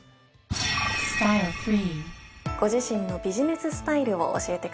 ご自身のビジネススタイルを教えてください。